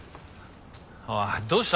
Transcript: おいどうした？